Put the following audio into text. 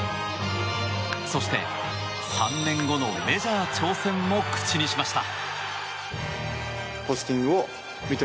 そして、３年後のメジャー挑戦も口にしました。